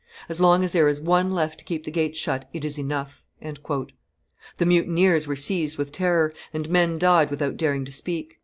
As long as there is one left to keep the gates shut, it is enough." The mutineers were seized with terror, and men died without daring to speak.